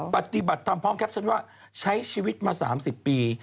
ปฏิบัติทำพร้อมแคปชั่นว่าใช้ชีวิตมา๓๐ปี